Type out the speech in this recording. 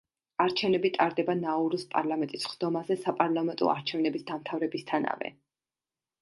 არჩევნები ტარდება ნაურუს პარლამენტის სხდომაზე საპარლამენტო არჩევნების დამთავრებისთანავე.